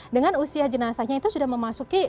dengan usia jenazahnya itu sudah memasuki